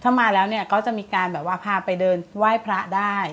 ถ้ามาแล้วเนี่ยก็จะมีการแบบว่าพาไปเดินไหว้พระได้